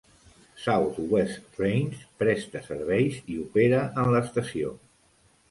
South West Trains presta serveis i opera en l'estació.